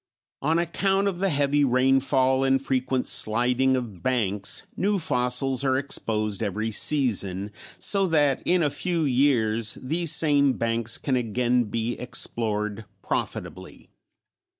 On account of the heavy rainfall and frequent sliding of banks new fossils are exposed every season so that in a few years these same banks can again be explored profitably.